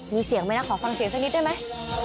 มีเสียงไหมนะขอฟังเสียงสักนิดได้ไหม